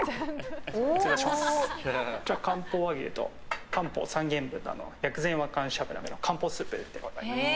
漢方和牛・漢方三元豚の薬膳和漢しゃぶ鍋の漢方スープでございます。